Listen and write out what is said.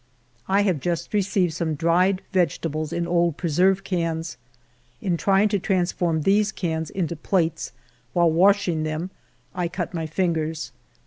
I have just received some dried vegetables in old preserve cans. In trying to transform these cans into plates, while washing them, I cut my fingers.